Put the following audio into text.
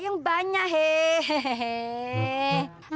yang banyak hei he he he